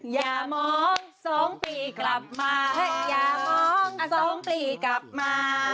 อย่ามองสองปีกลับมา